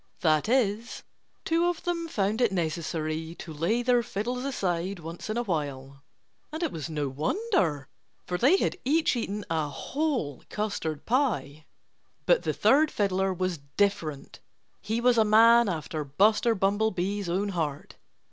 That is, two of them found it necessary to lay their fiddles aside once in a while. And it was no wonder; for they had each eaten a whole custard pie. But the third fiddler was different. He was a man after Buster Bumblebee's own heart.